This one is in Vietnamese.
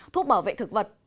thuốc bảo vệ thực vật